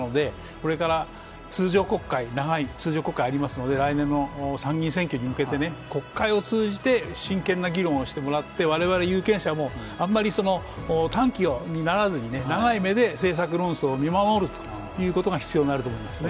これから長い通常国会ありますので来年の参議院選挙に向けて国会を通じて真剣な議論をしてもらって我々、有権者もあんまり短気にならずに長い目で見守るということが必要になると思いますね。